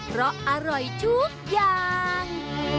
เพราะอร่อยทุกอย่าง